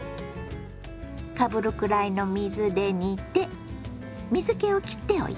かぶるくらいの水で煮て水けをきっておいてね。